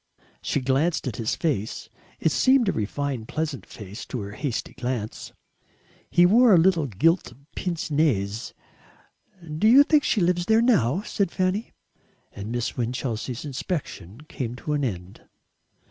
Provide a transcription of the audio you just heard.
She glanced at his face it seemed a refined pleasant face to her hasty glance. He wore a little gilt pince nez. "Do you think she lives there now?" said Fanny, and Miss Winchelsea's inspection came to an end.